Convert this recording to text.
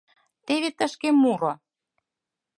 Теве тышке муро.